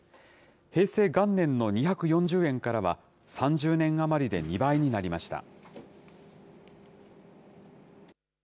平成元年の２４０円からは、３０年余りで２倍になりました。